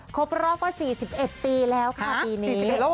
ขบรอกว่า๔๑ปีแล้วค่ะปีนี้